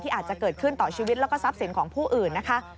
อาจจะเกิดขึ้นต่อชีวิตแล้วก็ทรัพย์สินของผู้อื่นนะคะ